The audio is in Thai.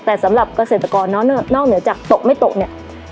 แต่สำหรับเกษตรกรนอกเหนือจากตกไม่ตกเนี่ย